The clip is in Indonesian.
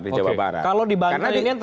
di jawa barat